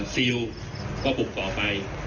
ซิลก็ปรุงเก่าไป